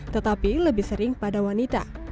tetapi lebih sering pada wanita